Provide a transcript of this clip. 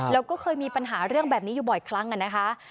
แล้วก็เคยมีปัญหาเรื่องแบบนี้อยู่บ่อยครั้งนะคะ